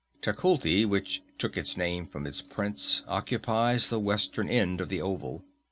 Tecuhltli, which took its name from its prince, occupies the western end of the oval.